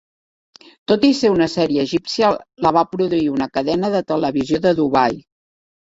Tot i ser una sèrie egípcia, la va produir una cadena de televisió de Dubai.